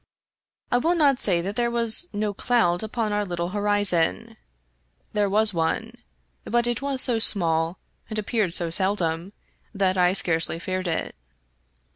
I will not say that there was no cloud upon our little horizon. There was one, but it was so small, and appeared so seldom, that I scarcely feared it.